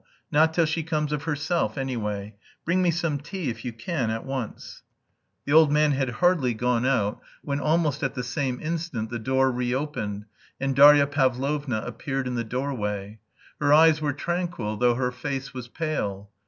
Not till she comes of herself, anyway. Bring me some tea, if you can, at once." The old man had hardly gone out, when almost at the same instant the door reopened, and Darya Pavlovna appeared in the doorway. Her eyes were tranquil, though her face was pale.